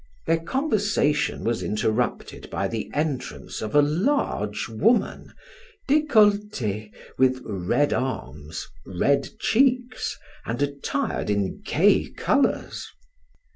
Their conversation was interrupted by the entrance of a large woman, decollette, with red arms, red cheeks, and attired in gay colors.